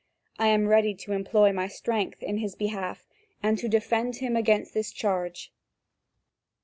I am ready to employ my strength in his behalf, and to defend him against this charge."